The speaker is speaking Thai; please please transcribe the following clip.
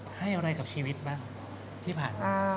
ให้อะไรกับชีวิตบ้างที่ผ่านมา